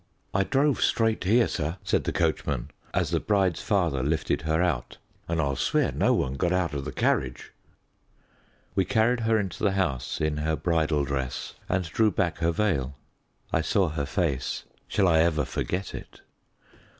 "I drove straight here, sir," said the coachman, as the bride's father lifted her out; "and I'll swear no one got out of the carriage." We carried her into the house in her bridal dress and drew back her veil. I saw her face. Shall I ever forget it?